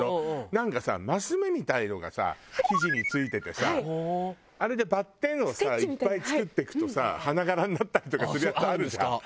なんかさマス目みたいなのがさ生地についててさあれでバッテンをさいっぱい作っていくとさ花柄になったりとかするやつあるじゃん。